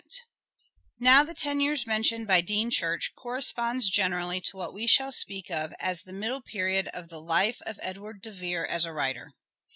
Transition Now the ten years mentioned by Dean Church embodied corresponds generally to what we shall speak of as the middle period of the life of Edward de Vere as a writer.